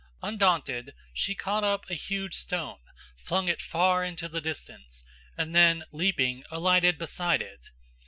Undaunted, she caught up a huge stone, flung it far into the distance, and then leaping, alighted beside it.